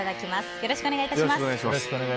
よろしくお願いします。